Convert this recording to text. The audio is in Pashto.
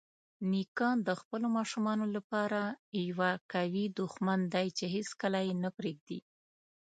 نیکه د خپلو ماشومانو لپاره یوه قوي دښمن دی چې هیڅکله یې نه پرېږدي.